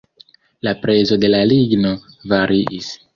La prezo de la ligno variis.